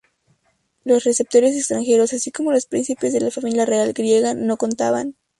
Los receptores extranjeros, así como los príncipes de la familia real griega no contaban.